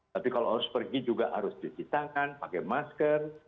tapi kalau harus pergi juga harus dicitakan pakai masker